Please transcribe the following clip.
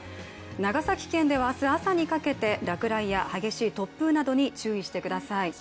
長崎県では明日朝にかけて落雷や激しい突風などに注意してください。